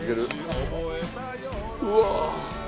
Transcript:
うわ。